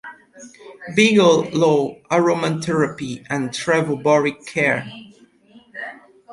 Bigelow, Aromatherapy and Travel Body Care.